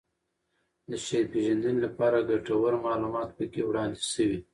د شعر پېژندنې لپاره ګټور معلومات پکې وړاندې شوي